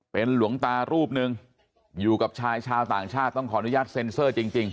เป็นหลวงตารูปหนึ่งอยู่กับชายชาวต่างชาติต้องขออนุญาตเซ็นเซอร์จริง